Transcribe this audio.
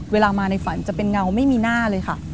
เวลามาในฝันจะเป็นเงาไม่มีหน้าเลยค่ะ